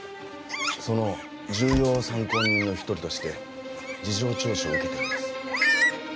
その重要参考人の一人として事情聴取を受けてるんです。